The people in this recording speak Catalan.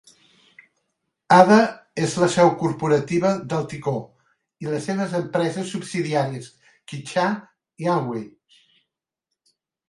Ada és la seu corporativa d'Alticor i les seves empreses subsidiàries Quixtar i Amway.